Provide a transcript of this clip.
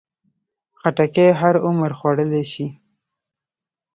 خټکی هر عمر خوړلی شي.